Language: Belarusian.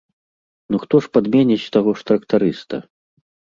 Ну хто ж падменіць таго ж трактарыста?